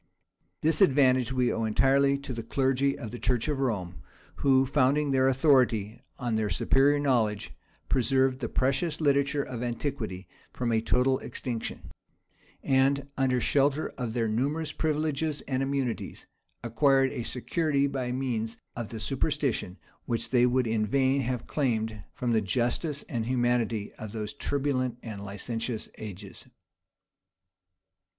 This advantage we owe entirely to the clergy of the church of Rome; who, founding their authority on their superior knowledge, preserved the precious literature of antiquity from a total extinction;[*] and, under shelter of their numerous privileges and immunities, acquired a security by means of the superstition, which they would in vain have claimed from the justice and humanity of those turbulent and licentious ages.